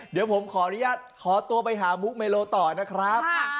เดี๋ยวผมขออนุญาตขอตัวไปหามุกเมโลต่อนะครับ